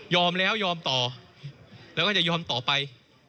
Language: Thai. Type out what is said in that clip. แล้วยอมต่อแล้วก็จะยอมต่อไป